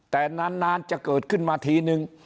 แต่นานจะขึ้นมาทีนึง